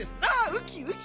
ウキウキ！